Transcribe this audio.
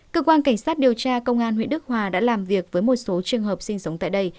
cơ quan cảnh sát điều tra công an huyện đức hòa đã làm việc với một số trường hợp sinh sống tại đây